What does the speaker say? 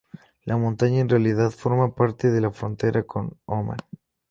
La montaña, en realidad, forma parte de la frontera con Omán.